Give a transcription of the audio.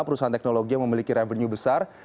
perusahaan teknologi yang memiliki revenue besar